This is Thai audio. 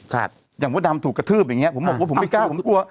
อย่างมดดำถูกกระทืบอย่างเงี้ผมบอกว่าผมไม่กล้าผมกลัว